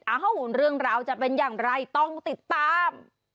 เอ้าเรื่องราวจะเป็นอย่างไรต้องติดตาม